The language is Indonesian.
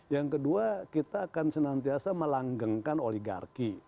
yang kedua kita akan senantiasa melanggengkan oligarki